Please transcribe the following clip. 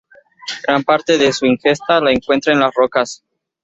Gran parte de su ingesta la encuentra en las rocas.